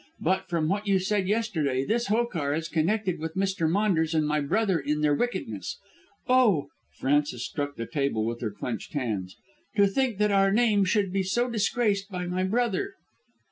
But, from what you said yesterday, this Hokar is connected with Mr. Maunders and my brother in their wickedness. Oh," Frances struck the table with her clenched hands, "to think that our name should be so disgraced by my brother!"